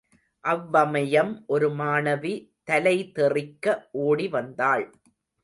அவ்வமயம் ஒரு மாணவி தலைதெறிக்க ஓடி வந்தாள்.